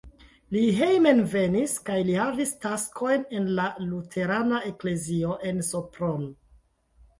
Li hejmenvenis kaj li havis taskojn en la luterana eklezio en Sopron.